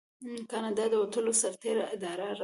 کاناډا د وتلو سرتیرو اداره لري.